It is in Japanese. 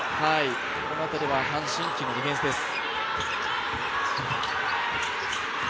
このあたりは潘臻キのディフェンスです。